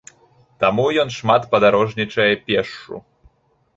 Таму ён шмат падарожнічае пешшу.